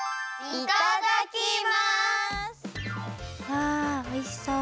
わあおいしそう。